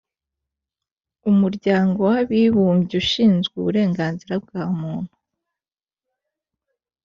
Umuryango w ‘Abibumbyeushinzwe uburenganzira bwamuntu